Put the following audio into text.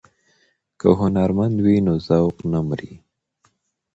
که هنرمند وي نو ذوق نه مري.